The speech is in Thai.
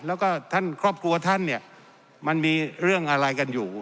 แล้วก็ท่านครอบครัวท่านเนี่ยมันมีเรื่องอะไรกันอยู่